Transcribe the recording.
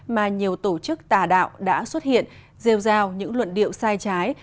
mà nhiều tổ chức tà đạo đã xuất hiện rêu rao những luận điệu sai trái